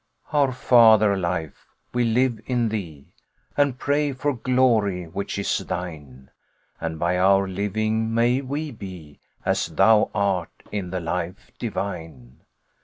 Our Father Life, we live in Thee And pray for glory which is Thine, And by our living may we be As Thou art in the Life divine.